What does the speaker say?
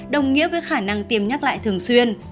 đồng nghĩa với khả năng tiêm nhắc lại thường xuyên